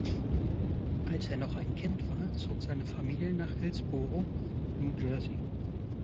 Als er noch ein Kind war zog seine Familie nach Hillsborough, New Jersey.